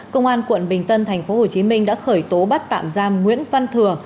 công an quận bình tân tp hcm đã khởi tố bắt tạm giam nguyễn văn thừa